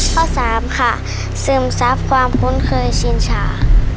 ข้อสามค่ะซึมซับความคุ้นเคยชินชา